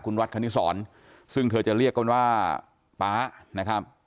คุณวัดคณิสรซึ่งเธอจะเรียกกันว่าป๊านะครับ